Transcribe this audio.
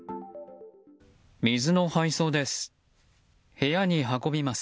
水の配送です。